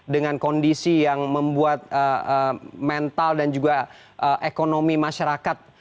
dengan kondisi yang membuat mental dan juga ekonomi masyarakat